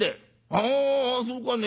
「ああそうかね。